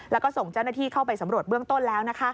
แล้วก็ส่งเจ้าหน้าที่เข้าไปสำรวจเบื้องต้นแล้ว